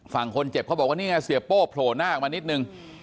ฝั่งคนเจ็บเขาบอกว่านี่ไงเสียโป้โผล่หน้าออกมานิดนึง